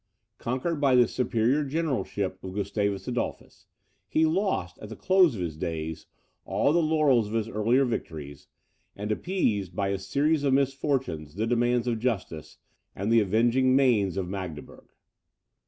Conquered by the superior generalship of Gustavus Adolphus, he lost, at the close of his days, all the laurels of his earlier victories, and appeased, by a series of misfortunes, the demands of justice, and the avenging manes of Magdeburg.